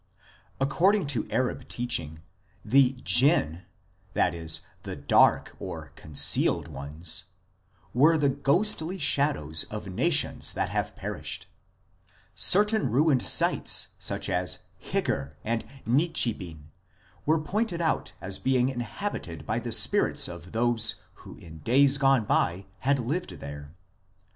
l According to Arab teaching the Jinn ( the " dark " or " concealed " ones) were the ghostly shadows of nations that have perished ; certain ruined sites, such as Higr and Nigibin, were pointed out as being inhabited by the spirits of those who in days gone by had lived there.